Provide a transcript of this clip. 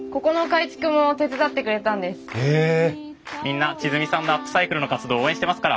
皆千純さんのアップサイクルの活動を応援してますから。